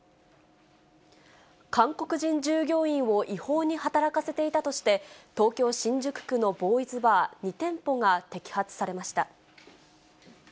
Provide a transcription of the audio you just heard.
韓国人従業員を違法に働かせていたとして、東京・新宿区のボーイズバー２店舗が摘発されました。